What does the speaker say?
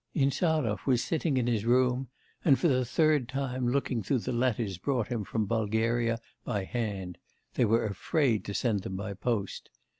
Insarov was sitting in his room, and for the third time looking through the letters brought him from Bulgaria by hand; they were afraid to send them by post.